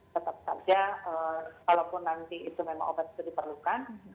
tetap saja walaupun nanti itu memang obat itu diperlukan